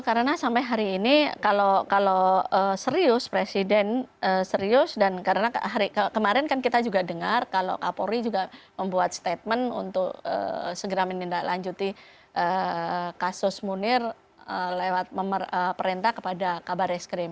karena sampai hari ini kalau serius presiden serius dan karena kemarin kan kita juga dengar kalau kapolri juga membuat statement untuk segera menindaklanjuti kasus munir lewat perintah kepada kabar eskrim